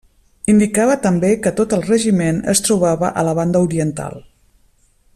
Indicava també que tot el regiment es trobava a la Banda Oriental.